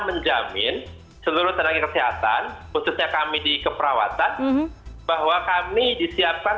menjamin seluruh tenaga kesehatan khususnya kami di keperawatan bahwa kami disiapkan